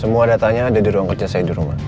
semua datanya ada di ruang kerja saya di rumah